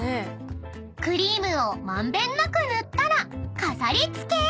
［クリームを満遍なく塗ったら飾り付けへ］